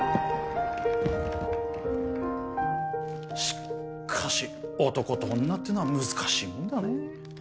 しっかし男と女ってのは難しいもんだねぇ。